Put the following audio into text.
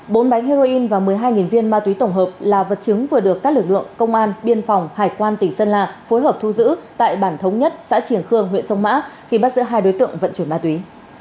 bốn bánh heroin và một mươi hai viên ma túy tổng hợp là vật chứng vừa được các lực lượng công an biên phòng hải quan tỉnh sơn la phối hợp thu giữ tại bản thống nhất xã triển khương huyện sông mã khi bắt giữ hai đối tượng vận chuyển ma túy